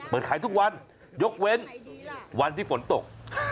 เปิดขายทุกวันยกเว้นวันที่ฝนตก